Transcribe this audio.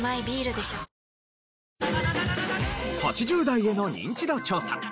８０代へのニンチド調査。